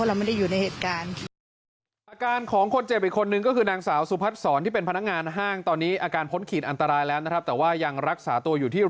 แล้วเขาจะหนีอะไรมาเราก็ไม่รู้